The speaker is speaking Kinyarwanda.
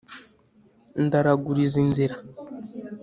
Ndaraguliza inzira